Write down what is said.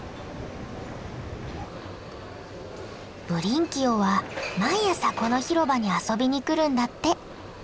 ブリンキオは毎朝この広場に遊びに来るんだって。